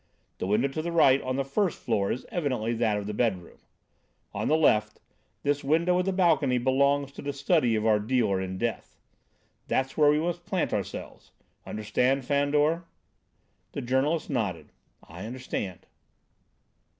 The window to the right on the first floor is evidently that of the bedroom. On the left, this window with a balcony belongs to the study of our dealer in death! That's where we must plant ourselves. Understand, Fandor?" The journalist nodded. "I understand."